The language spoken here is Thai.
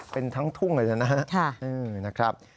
เป็นทั้งทุ่งเลยนะฮะ